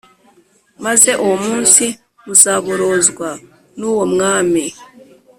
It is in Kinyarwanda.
Maze uwo munsi muzaborozwa n uwo mwami